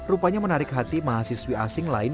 rupanya menarik hati mahasiswi asing lain